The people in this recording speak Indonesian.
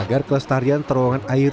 agar kelestarian terowongan air